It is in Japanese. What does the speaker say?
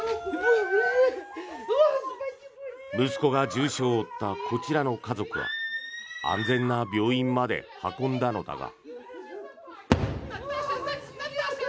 息子が重傷を負ったこちらの家族は安全な病院まで運んだのだが。